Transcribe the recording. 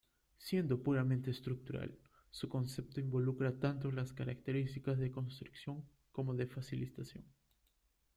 Siendo puramente estructural, su concepto involucra tanto las características de constricción como de facilitación.